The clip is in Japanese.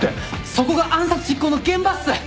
そこが暗殺実行の現場っす！